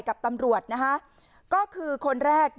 กับตำรวจก็คือคนแรก